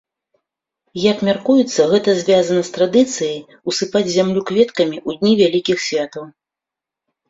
Як мяркуецца, гэта звязана з традыцыяй усыпаць зямлю кветкамі ў дні вялікіх святаў.